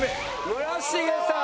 村重さん。